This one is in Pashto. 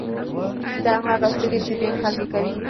دا هغه څه دي چې ډېر خلک يې کوي.